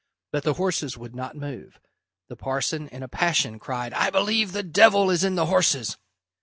But the horses would not move. The parson, in a passion, cried, "I believe the devil is in the horses!"